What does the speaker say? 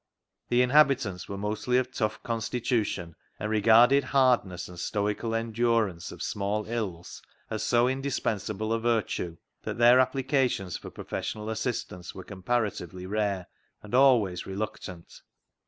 The inhabitants were mostly of tough constitution, and regarded hardness and stoical endurance of small ills as so indis pensable a virtue that their applications for 262 CLOG SHOP CHRONICLES professional assistance were comparatively rare, and always reluctant.